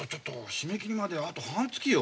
締め切りまであと半月よ。